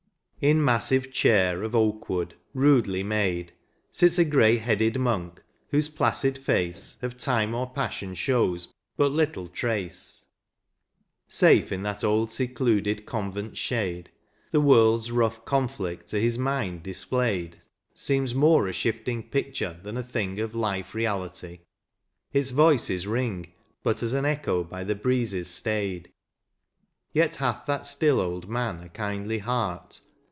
In massive chair of oak wood, rudely made, Sits a grey headed monk, whose placid face Of time or passion shows but little trace ; Safe in that old secluded convent's shade, The world's rough conflict to his mind displayed Seems more a shifting picture, than a thing Of life reality ; its voices ring, But as an echo by the breezes stayed. Yet hath that still old man a kindly heart.